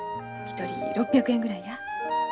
一人６００円ぐらいや。